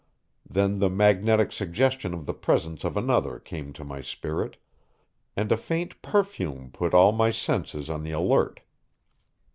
Then the magnetic suggestion of the presence of another came to my spirit, and a faint perfume put all my senses on the alert.